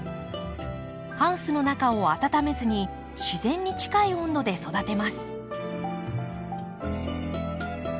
ハウスの中を温めずに自然に近い温度で育てます。